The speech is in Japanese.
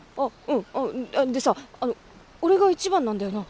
うんでさあの俺が一番なんだよな？